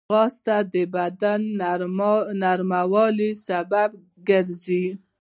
ځغاسته د بدن د نرموالي سبب کېږي